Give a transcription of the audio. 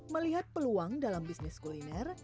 melihat peluang dalam bisnis kuliner